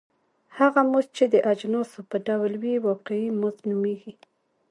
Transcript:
هغه مزد چې د اجناسو په ډول وي واقعي مزد نومېږي